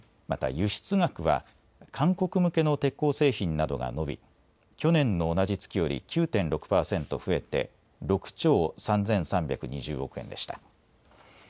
また輸出額は韓国向けの鉄鋼製品などが伸び去年の同じ月より９．６％増えて６兆３３２０億円でした。